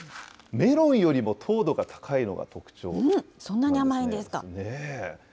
メロンよりも糖度が高いのが特徴なんですね。